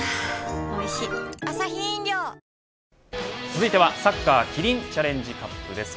続いてはサッカーキリンチャレンジカップです。